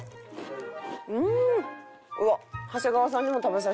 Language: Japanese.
うん！